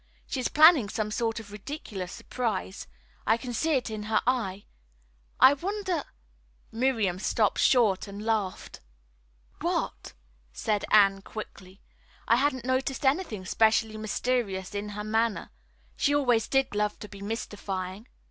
"She's planning some sort of ridiculous surprise. I can see it in her eye. I wonder " Miriam stopped short and laughed. "What?" asked Anne quickly. "I hadn't noticed anything specially mysterious in her manner. She always did love to be mystifying."